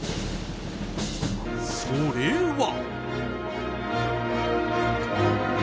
それは。